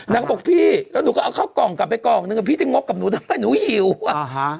นางก็บอกพี่แล้วหนูเขาก็เอาเข้ากล่องกลับไปกล่องนึงปี๊จะงบหนูทำไมหนูหิวอะ